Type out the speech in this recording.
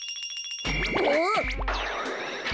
あっ！